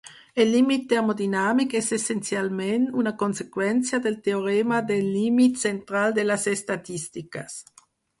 El límit termodinàmic és essencialment una conseqüència del teorema del límit central de les estadístiques.